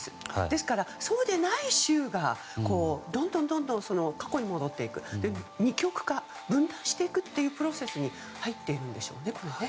ですから、そうでない州がどんどん過去に戻っていくというか二極化、分断していくプロセスに入っているんでしょうね。